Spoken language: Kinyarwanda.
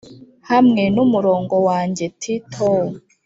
hamwe n'umurongo wanjye-ti-tow